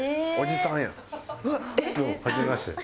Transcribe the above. どうもはじめまして。